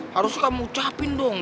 harusnya kamu ucapin dong